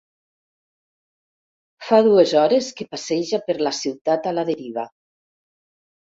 Fa dues hores que passeja per la ciutat a la deriva.